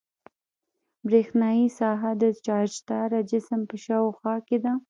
برېښنايي ساحه د چارجداره جسم په شاوخوا کې ده.